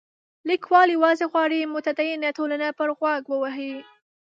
لیکوال یوازې غواړي متدینه ټولنه پر غوږ ووهي.